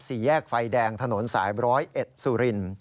สี่แยกไฟแดงถนนสาย๑๐๑สุริน